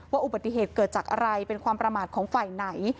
อุบัติเหตุเกิดจากอะไรเป็นความประมาทของฝ่ายไหน